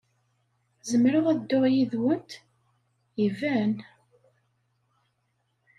Zemreɣ ad dduɣ yid-went? Iban!